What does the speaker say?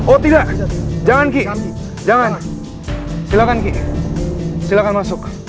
oh tidak jangan ki jangan silakan ki silahkan masuk